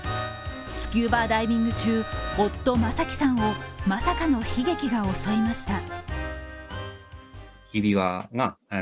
スキューバダイビング中、夫・正樹さんをまさかの悲劇が襲いました。